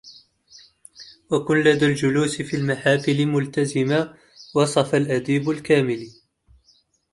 وكن لدى الجلوس في المحافلِ ملتزما وصف الأديب الكاملِ